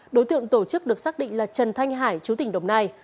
đối tượng tổ chức được xác định là trần thanh hải chú tỉnh đồng nai